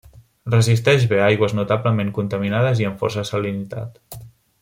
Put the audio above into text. Resisteix bé aigües notablement contaminades i amb força salinitat.